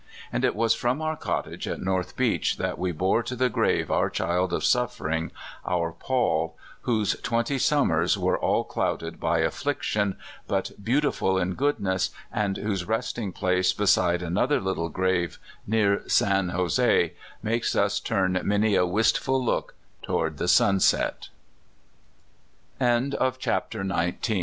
And it was from our cottage at North Beach that we bore to the grave our child of suffering, our Paul, whose twenty summers were all clouded by affliction, but beautiful in goodness, and whose resting place beside another little grave near San Jose makes us turn many a wistful loo